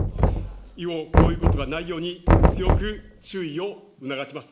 以後、こういうことがないように、強く注意を促します。